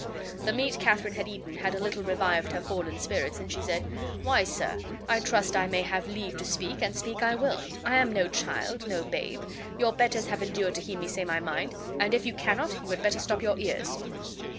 The meat Katharine had eaten had a little revived her fallen spirits, and she said: "Why, sir, I trust I may have leave to speak, and speak I will. I am no child, no babe. Your betters have endured to hear me say my mind; and if you cannot, you had better stop your ears."